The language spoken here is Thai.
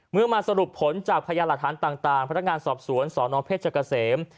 มาสรุปผลจากพยานหลักฐานต่างพนักงานสอบสวนสนเพชรเกษม